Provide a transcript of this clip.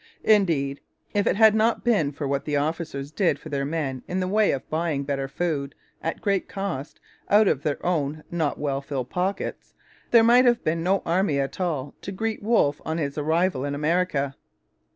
Indeed, if it had not been for what the officers did for their men in the way of buying better food, at great cost, out of their own not well filled pockets, there might have been no army at all to greet Wolfe on his arrival in America.